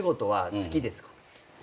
好きです。